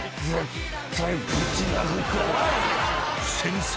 ［先生